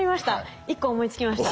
１個思いつきました。